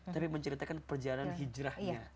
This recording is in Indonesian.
tapi menceritakan perjalanan hijrahnya